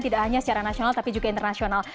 tidak hanya secara nasional tapi juga internasional